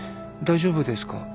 大丈夫ですか？